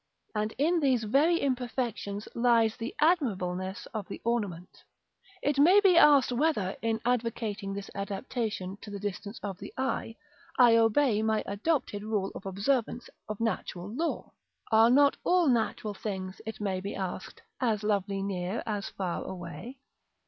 And in these very imperfections lies the admirableness of the ornament. § XVII. It may be asked whether, in advocating this adaptation to the distance of the eye, I obey my adopted rule of observance of natural law. Are not all natural things, it may be asked, as lovely near as far away?